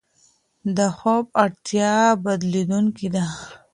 د خوب اړتیا بدلېدونکې ده.